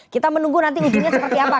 kita menunggu nanti ujungnya seperti apa